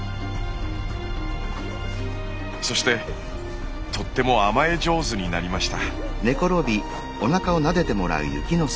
そしてとっても甘え上手になりました。